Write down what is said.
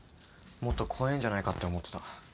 もっと怖えんじゃないかって思ってた。